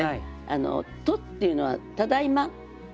「と」っていうのは「ただいまと」。